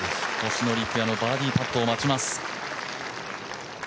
星野陸也のバーディーパットを待ちます。